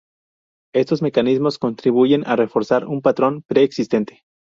Estos mecanismos contribuyen a reforzar un patrón preexistente.